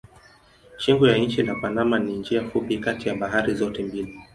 Shingo ya nchi la Panama ni njia fupi kati ya bahari zote mbili.